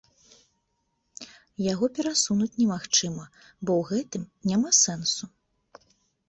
Яго перасунуць немагчыма, бо ў гэтым няма сэнсу.